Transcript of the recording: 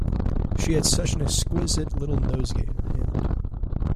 She had such an exquisite little nosegay in her hand.